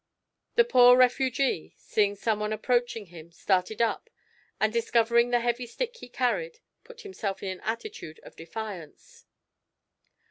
The poor refugee, seeing some one approaching him, started up, and discovering the heavy stick he carried, put himself in an attitude of defiance.